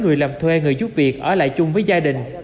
người làm thuê người giúp việc ở lại chung với gia đình